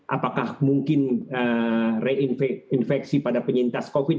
apakah mungkin reinfeksi pada penyintas covid